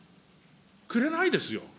くれないですよ。